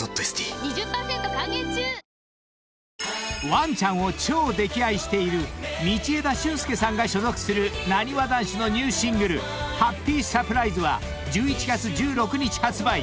［ワンちゃんを超溺愛している道枝駿佑さんが所属するなにわ男子のニューシングル『ハッピーサプライズ』は１１月１６日発売］